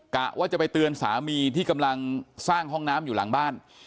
กะว่าจะไปเตือนสามีที่กำลังสร้างห้องน้ำอยู่หลังบ้าน